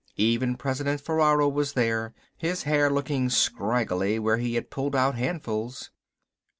Even President Ferraro was there, his hair looking scraggly where he had pulled out handfuls.